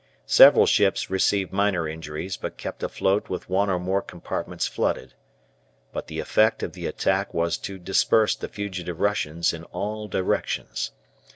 Several ships received minor injuries, but kept afloat with one or more compartments flooded. But the effect of the attack was to disperse the fugitive Russians in all directions.